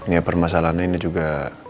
ya permasalahannya ini juga